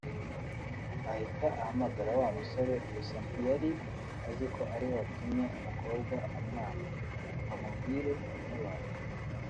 ahita ahamagara wa musore (gusa ntiyari aziko ariwe watumye umukobwa amwanga) ngo amubwire ibimubayeho